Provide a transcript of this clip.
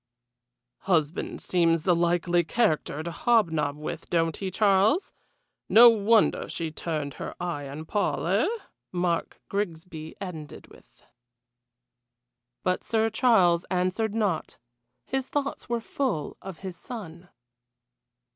"Husband seems a likely character to hobnob with, don't he, Charles? No wonder she turned her eye on Paul, eh?" Mark Grigsby ended with. But Sir Charles answered not, his thoughts were full of his son.